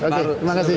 oke terima kasih